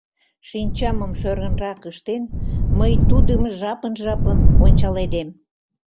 Шинчамым шӧрынрак ыштен, мый тудым жапын-жапын ончаледем.